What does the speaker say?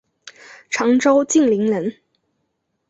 常州晋陵人。